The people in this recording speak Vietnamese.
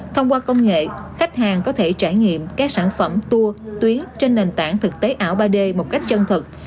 thông qua công nghệ khách hàng có thể trải nghiệm các sản phẩm tour tuyến trên nền tảng thực tế ảo ba d một cách chân thực